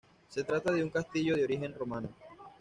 Se trata de un castillo de origen romano.